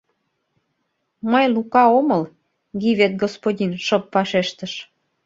— Мый Лука омыл, — Гивет господин шып вашештыш.